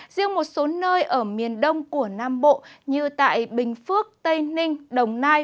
riêng một số nơi ở miền đông của nam bộ như tại bình phước tây ninh đồng nai